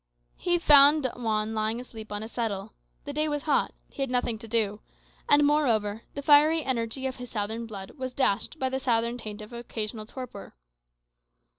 He found Juan lying asleep on a settle. The day was hot; he had nothing to do; and, moreover, the fiery energy of his southern blood was dashed by the southern taint of occasional torpor.